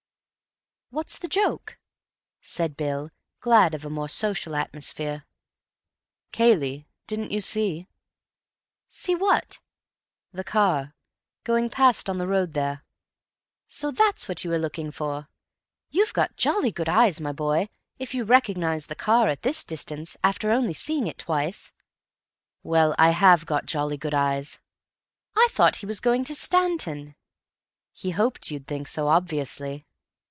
"What's the joke?" said Bill, glad of the more social atmosphere. "Cayley. Didn't you see?" "See what?" "The car. Going past on the road there." "So that's what you were looking for. You've got jolly good eyes, my boy, if you recognize the car at this distance after only seeing it twice." "Well, I have got jolly good eyes." "I thought he was going to Stanton." "He hoped you'd think so—obviously."